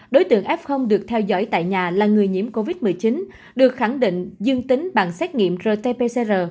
đối tượng f được theo dõi tại nhà là người nhiễm covid một mươi chín được khẳng định dương tính bằng xét nghiệm rt pcr